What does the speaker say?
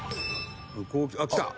「あっ来た！」